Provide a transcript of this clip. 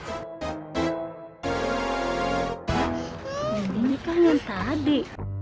ini kan yang tadi